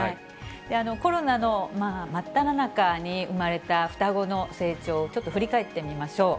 コロナの真っただ中に産まれた双子の成長をちょっと振り返ってみましょう。